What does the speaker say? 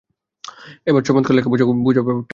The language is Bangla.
এবার চমৎকার বোঝা গেল ব্যাপারটা।